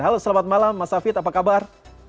halo selamat malam mas hafid apa kabar